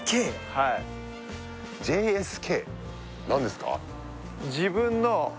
はいＪＳＫ何ですか？